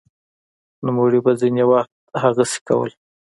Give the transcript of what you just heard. نوموړي به ځیني وخت هغسې کول